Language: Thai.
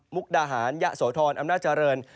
มุกดาหารยะโสธรอำนาจรรย์